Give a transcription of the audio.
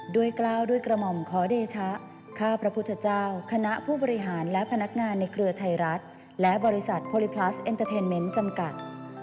กล้าวด้วยกระหม่อมขอเดชะข้าพระพุทธเจ้าคณะผู้บริหารและพนักงานในเครือไทยรัฐและบริษัทโพลิพลัสเอ็นเตอร์เทนเมนต์จำกัด